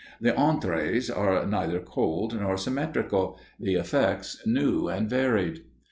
The entrées are neither cold nor symmetrical the effects new and varied.